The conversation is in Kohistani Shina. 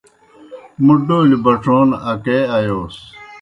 موْ ڈولیْ بَڇَون اکے آیوس۔